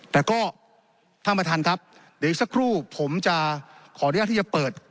แต่ก็ท่านประธานครับเดี๋ยวอีกสักครู่ผมจะขออนุญาตที่จะเปิด